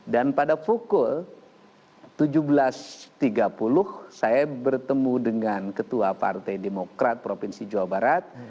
dan pada pukul tujuh belas tiga puluh saya bertemu dengan ketua partai demokrat provinsi jawa barat